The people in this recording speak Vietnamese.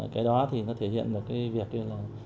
cái đó thì nó thể hiện được cái việc là